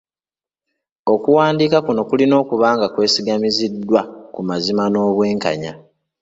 Okuwandiika kuno kulina okuba nga kwesigamiziddwa ku mazima n’obwenkanya.